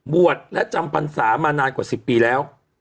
บวชและจำพรรษามานานกว่า๑๐ปีแล้ว